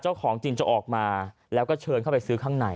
เจ้าของจริงจะออกมาแล้วก็เชิญเข้าไปซื้อข้างใน